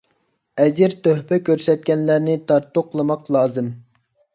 ئەجىر - تۆھپە كۆرسەتكەنلەرنى تارتۇقلىماق لازىم.